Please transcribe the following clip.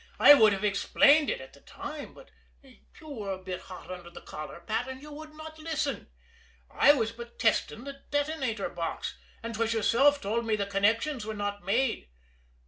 I would have explained it at the time, but you were a bit hot under the collar, Pat, and you would not listen. I was but testing the detonator box, and 'twas yourself told me the connections were not made."